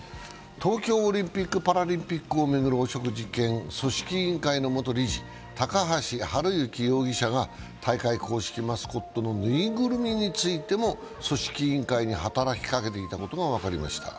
東京オリンピック・パラリンピックを巡る汚職事件、組織委員会の元理事、高橋治之容疑者が大会公式マスコットのぬいぐるみについても組織委員会に働きかけていたことが分かりました。